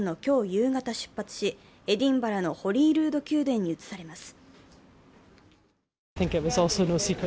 夕方、出発し、エディンバラのホリールード宮殿に移されます。